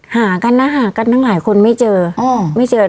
หากันทั้งหลายคนไม่เจอ